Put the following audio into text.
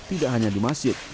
tidak hanya di masjid